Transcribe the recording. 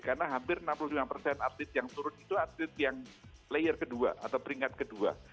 karena hampir enam puluh lima persen atlet yang turun itu atlet yang player kedua atau peringkat kedua